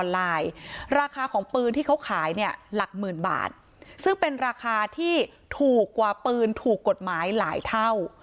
ราคาของปืนที่เขาขายเนี่ยหลักหมื่นบาทซึ่งเป็นราคาที่ถูกกว่าปืนถูกกฎหมายหลายเท่า